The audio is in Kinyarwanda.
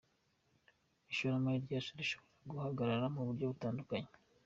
Ishoramari ryacu rishobora guhagarara mu buryo butandukanye.